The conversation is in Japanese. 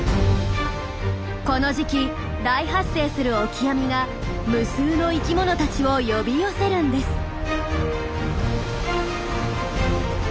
この時期大発生するオキアミが無数の生きものたちを呼び寄せるんです。